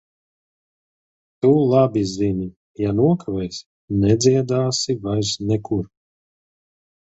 Tu labi zini - ja nokavēsi, nedziedāsi vairs nekur.